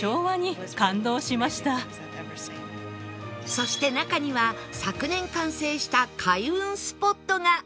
そして中には昨年完成した開運スポットが